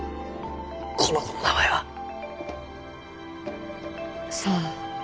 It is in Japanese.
この子の名前は？さあ。